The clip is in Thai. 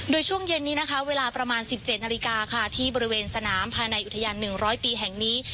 โดยช่วงเย็นนี้นะคะเวลาประมาณ๑๗นาฬิกาค่ะที่บริเวณสนามภายในอุทยาน๑๐๐ปีแห่งนี้